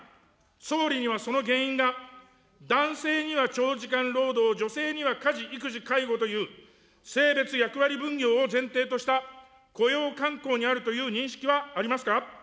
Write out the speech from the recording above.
総理にはその原因が、男性には長時間労働、女性には家事、育児、介護という、性別、役割分業を前提とした雇用慣行にあるという認識はありますか。